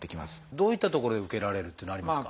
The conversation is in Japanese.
どういった所で受けられるっていうのはありますか？